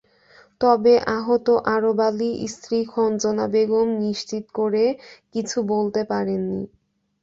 তবে আহত আরব আলীর স্ত্রী খঞ্জনা বেগম নিশ্চিত করে কিছু বলতে পারেননি।